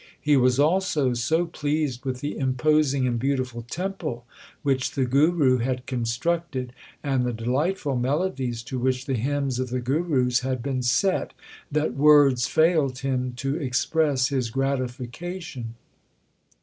He was also so pleased with the imposing and beautiful temple which the Guru had con structed, and the delightful melodies to which the hymns of the Gurus had been set, that words failed him to express his gratification.